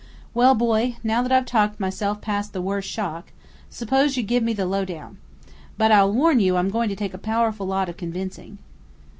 Well, boy, now that I've talked myself past the worst shock, suppose you give me the low down. But I warn you I'm going to take a powerful lot of convincing."